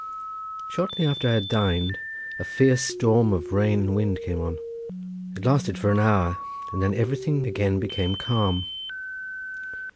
Shortly after I had dined a fierce storm of rain and wind came on. It lasted for an hour, and then everything again became calm.